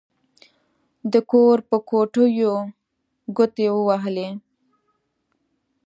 د کور په کوټو يې ګوتې ووهلې.